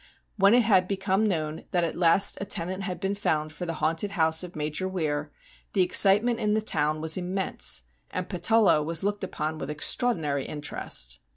When it had become known that at last a tenant had been found for the haunted house of Major Weir, the excite ment in the town was immense, and Patullo was looked upon with extraordinary interest.